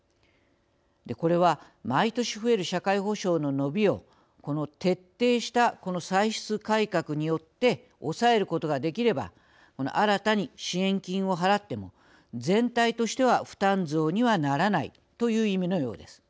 これは、毎年増える社会保障の伸びをこの徹底した歳出改革を行うことによって抑えることができれば新たに支援金を払っても全体としては負担増にはならないという意味のようです。